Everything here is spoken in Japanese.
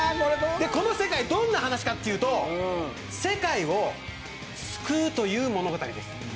どんな話かというと世界を救うという物語です。